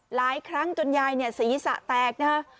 หลายครั้งจนยายเนี่ยศีรษะแตกนะฮะ